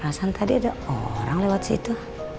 alasan tadi ada orang lewat situ